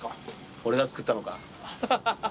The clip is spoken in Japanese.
俺が作ったのかハハハハ！